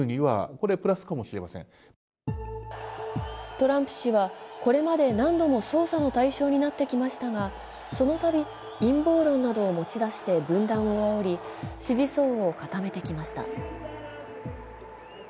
トランプ氏は、これまで何度も捜査の対象になってきましたがそのたび、陰謀論などを持ち出して分断をあおり支持層を固めてきました。